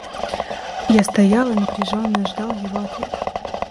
Я стоял и напряженно ждал его ответа.